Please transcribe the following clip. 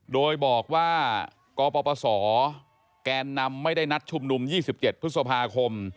โดยบอกว่ากปศแกนนำไม่ได้นัดชุมนุม๒๗พฤษภาคม